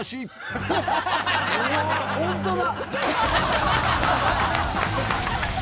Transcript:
「本当だ！」